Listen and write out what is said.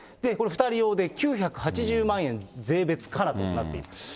これ２人用で、９８０万円、税別からということになっています。